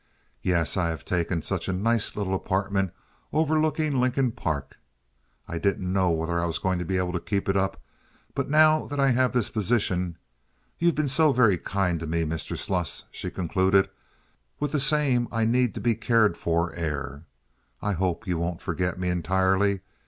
"Yes, I have taken such a nice little apartment over looking Lincoln Park. I didn't know whether I was going to be able to keep it up, but now that I have this position— You've been so very kind to me, Mr. Sluss," she concluded, with the same I need to be cared for air. "I hope you won't forget me entirely.